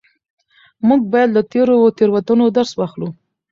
موږ بايد له تېرو تېروتنو درس واخلو.